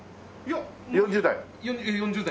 ４０代？